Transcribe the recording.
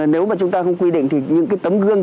nếu mà chúng ta không quy định thì những cái tấm gương